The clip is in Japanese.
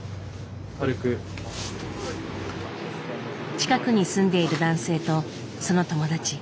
近くに住んでいる男性とその友達。